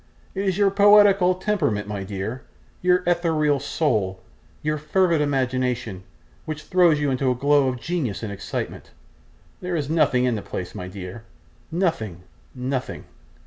It is your poetical temperament, my dear your ethereal soul your fervid imagination, which throws you into a glow of genius and excitement. There is nothing in the place, my dear nothing, nothing.